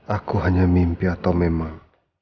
aku hanya mimpi atau memang